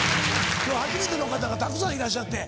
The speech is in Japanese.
今日初めての方がたくさんいらっしゃって。